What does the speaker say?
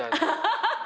ハハハ！